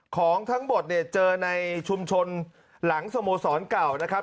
ของทั้งหมดเนี่ยเจอในชุมชนหลังสโมสรเก่านะครับ